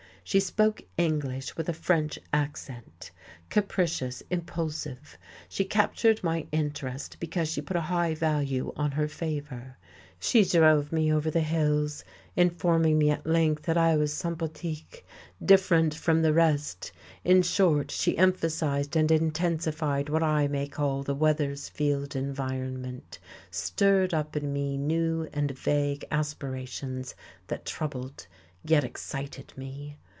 She spoke English with a French accent. Capricious, impulsive, she captured my interest because she put a high value on her favour; she drove me over the hills, informing me at length that I was sympathique different from the rest; in short, she emphasized and intensified what I may call the Weathersfield environment, stirred up in me new and vague aspirations that troubled yet excited me.